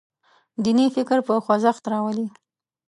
دیني فکر په خوځښت راولي.